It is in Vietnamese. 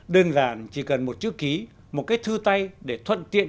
đơn giản chỉ cần một chữ ký một cái thư tay để thuận tiện